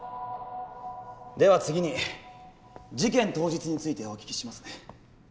では次に事件当日についてお聞きしますね。